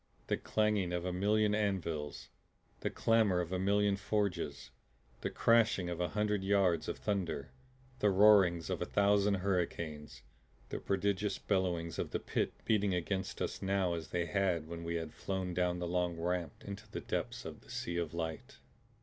The clanging of a million anvils; the clamor of a million forges; the crashing of a hundred years of thunder; the roarings of a thousand hurricanes. The prodigious bellowings of the Pit beating against us now as they had when we had flown down the long ramp into the depths of the Sea of Light.